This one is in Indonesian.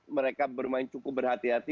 mereka bermain cukup berhati hati